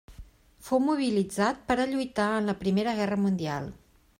Fou mobilitzat per a lluitar en la Primera Guerra Mundial.